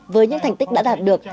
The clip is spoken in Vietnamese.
với những thành tích đã đạt được